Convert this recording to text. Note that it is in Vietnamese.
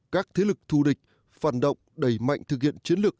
các thế lực thù địch phản động đẩy mạnh thực hiện chiến lược